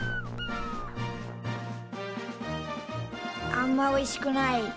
あんまおいしくない。